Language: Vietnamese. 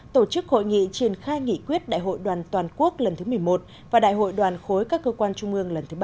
tổ chức hội nghị triển khai nghị quyết đại hội đoàn toàn quốc lần thứ một mươi một và đại hội đoàn khối các cơ quan trung ương lần thứ ba